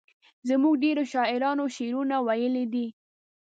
زموږ ډیرو شاعرانو شعرونه ویلي دي.